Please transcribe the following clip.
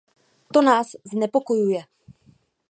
To nás znepokojuje.